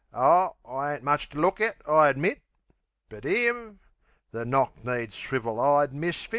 Oh, I ain't much to look at, I admit. But'im! The knock kneed, swivel eyed misfit?...